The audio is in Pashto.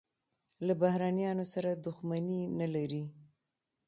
له بهرنیانو سره دښمني نه لري.